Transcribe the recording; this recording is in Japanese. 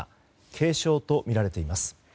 軽傷とみられています。